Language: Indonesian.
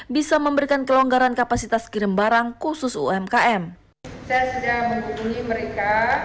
bisa memberikan kelonggaran kapasitas kirim barang khusus umkm saya sudah menghubungi mereka